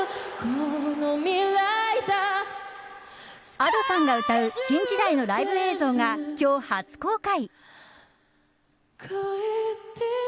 Ａｄｏさんが歌う「新時代」のライブ映像が今日初公開！